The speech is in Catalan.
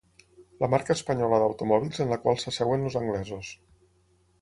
La marca espanyola d'automòbils en la qual s'asseuen els anglesos.